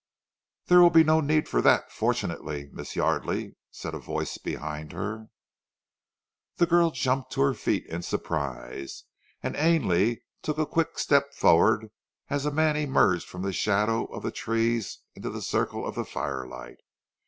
"There will be no need for that, fortunately, Miss Yardely!" said a voice behind her. The girl jumped to her feet in surprise. And Ainley took a quick step forward as a man emerged from the shadow of the trees into the circle of the firelight.